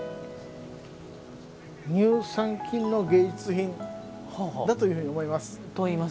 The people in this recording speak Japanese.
「乳酸菌の芸術品」だというふうに思います。